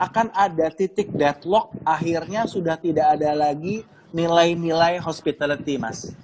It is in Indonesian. bahkan ada titik deadlock akhirnya sudah tidak ada lagi nilai nilai hospitality mas